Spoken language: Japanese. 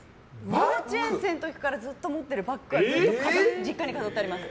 幼稚園生の時からずっと持ってるのはずっと実家に飾ってあります。